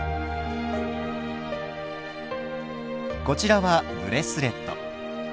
こちらはブレスレット。